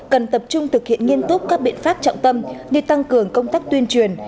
cần tập trung thực hiện nghiêm túc các biện pháp trọng tâm như tăng cường công tác tuyên truyền